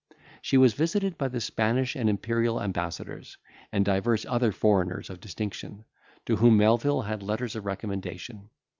She was visited by the Spanish and Imperial ambassadors, and divers other foreigners of distinction, to whom Melvil had letters of recommendation.